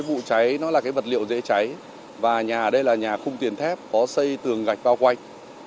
đặc thù cái vụ cháy nó là cái vật liệu dễ cháy và nhà đây là nhà khung tiền thép có xây tường gạch bao quanh